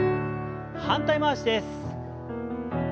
反対回しです。